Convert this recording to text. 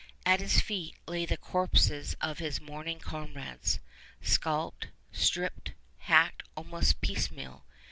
At his feet lay the corpses of his morning comrades, scalped, stripped, hacked almost piecemeal!